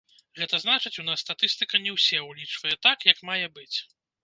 Гэта значыць, у нас статыстыка не ўсе ўлічвае так, як мае быць.